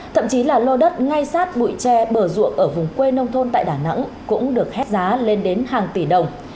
thậm chí là lô đất ngay sát bụi tre bờ ruộng ở vùng quê nông thôn tại đà nẵng cũng được hết giá lên đến hàng tỷ đồng